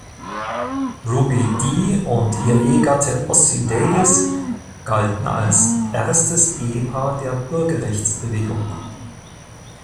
Ruby Dee und ihr Ehegatte Ossie Davis galten als „Erstes Ehepaar der Bürgerrechtsbewegung“.